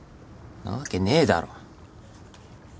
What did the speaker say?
なわけねえだろ！